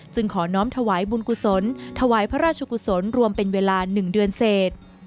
ขอน้อมถวายบุญกุศลถวายพระราชกุศลรวมเป็นเวลา๑เดือนเศษ